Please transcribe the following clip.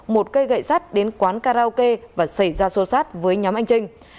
một cây gậy sắt đến quán karaoke và xảy ra xô xát với nhóm anh trinh